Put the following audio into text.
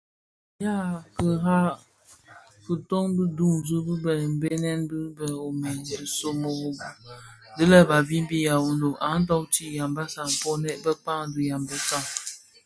Dia kira, dhifon di duňzi di bë bènèn, dhi bë Omën, dhisōmoro dyi lè babimbi Yaoundo a nōōti (bi Yambeta, Ponèkn Bekpag dhi Yambassa).